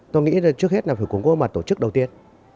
tôi nghĩ là trước hết là phải cố gói mặt tổ chức đầu tiên